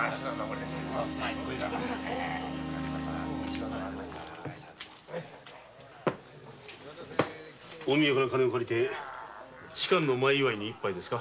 近江屋から金を借りて仕官の前祝いに１杯ですか？